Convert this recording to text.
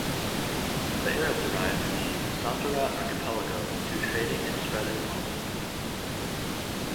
The Arabs arrived in the Nusantara archipelago to trading and spread Islam.